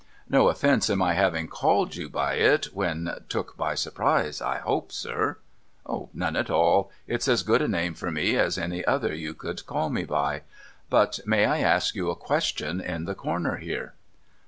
No offence in my having called you by it when took by surprise, I ho])e, sir ?'' None at all. It's as good a name for me as any other you could call me by. But may I ask you a question in the corner here